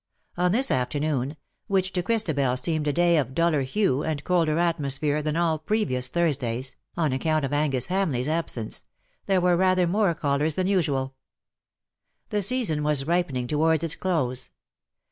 On this afternoon — which to Christabel seemed a day of duller hue and colder atmosphere than all previous Thursdays, on account of Angus Ham LE SECRET DE POLICHINELLE. 229 leigh's absence — there were rather more callers than usual. The season was ripening towards its close.